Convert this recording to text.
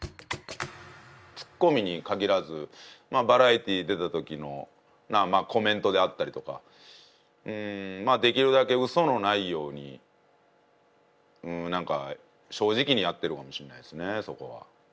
ツッコミに限らずバラエティー出た時のコメントであったりとかまあできるだけ嘘のないようにうん何か正直にやってるかもしれないですねそこは。